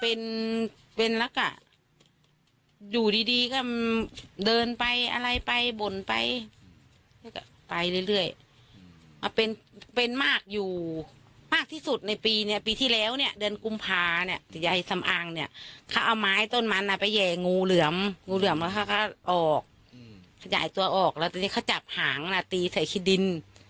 ออกขยายตัวออกแล้วตอนนี้เขาจับหางน่ะตีใส่คิดดิน